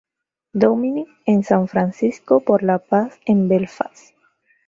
Dominic en San Francisco por la paz en Belfast.